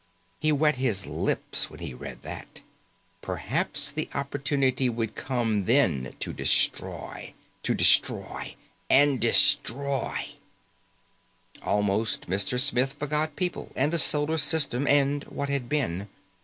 He wet his lips when he read that. Perhaps the opportunity would come then to destroy, to destroy, and destroy. Almost, Mr. Smith forgot people and the solar system and what had been.